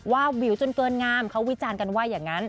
วิวจนเกินงามเขาวิจารณ์กันว่าอย่างนั้น